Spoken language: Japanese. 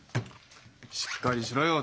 しっかりしろよ